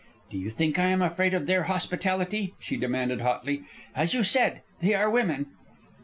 "Do you think I am afraid of their hospitality?" she demanded, hotly. "As you said, they are women."